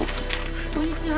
こんにちは。